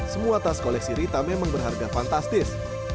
semua tas koleksi rita memang berharga fantastis